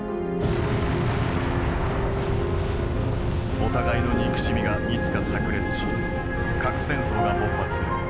お互いの憎しみがいつかさく裂し核戦争が勃発する。